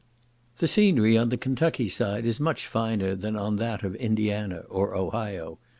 The scenery on the Kentucky side is much finer than on that of Indiana, or Ohio.